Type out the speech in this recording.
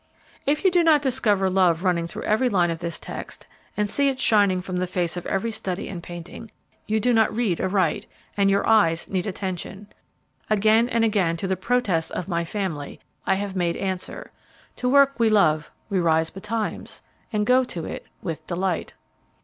If you do not discover love running through every line of this text and see it shining from the face of each study and painting, you do not read aright and your eyes need attention. Again and again to the protests of my family, I have made answer "To work we love we rise betimes, and go to it with delight."